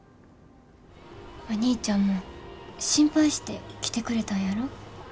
お兄ちゃんも心配して来てくれたんやろ？